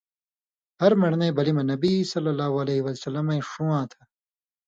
ہَر من٘ڑنَیں بلی مہ نبی ﷺ ایں ݜُون٘واں تھہ۔